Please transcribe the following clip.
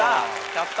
やった！